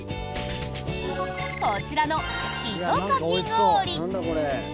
こちらの、糸かき氷。